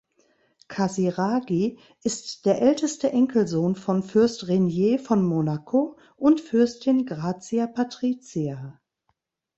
Casiraghi ist der älteste Enkelsohn von Fürst Rainier von Monaco und Fürstin Gracia Patricia.